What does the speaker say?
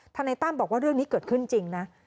นายตั้มบอกว่าเรื่องนี้เกิดขึ้นจริงนะ